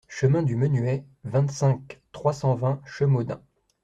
Chemin du Menuey, vingt-cinq, trois cent vingt Chemaudin